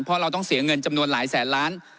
เพราะเราต้องเสียเงินจำนวนหลายแสนล้าน